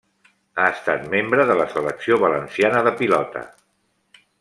Ha estat membre de la Selecció Valenciana de Pilota.